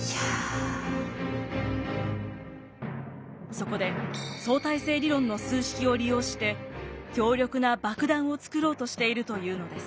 そこで相対性理論の数式を利用して強力な爆弾を作ろうとしているというのです。